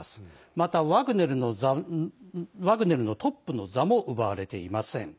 またワグネルのトップの座も奪われていません。